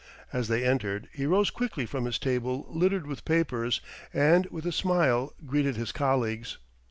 As they entered, he rose quickly from his table littered with papers, and with a smile greeted his colleagues.